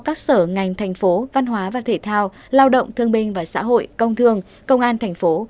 các sở ngành thành phố văn hóa và thể thao lao động thương minh và xã hội công thương công an thành phố